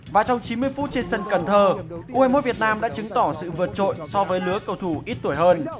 và trong chín mươi phút trên sân cần thơ u hai mươi một việt nam đã chứng tỏ sự vượt trội so với lứa cầu thủ ít tuổi hơn